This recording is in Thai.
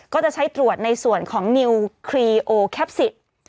ก็จะใช้ตรวจในส่วนของนิวครีโอแคปซิก